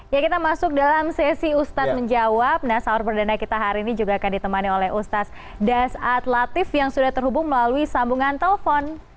ya kita masuk dalam sesi ustadz menjawab nah sahur perdana kita hari ini juga akan ditemani oleh ustadz dasat latif yang sudah terhubung melalui sambungan telepon